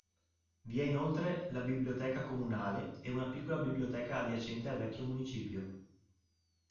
Vi è inoltre la biblioteca comunale e una piccola biblioteca adiacente al vecchio municipio.